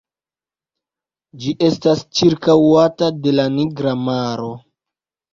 Ĝi estas ĉirkaŭata de la Nigra maro.